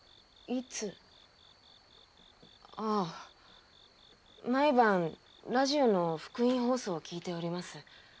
ああ毎晩ラジオの復員放送を聞いております。